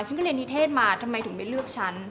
ฉันก็เรียนนิเทศมาทำไมถึงไม่เลือกฉัน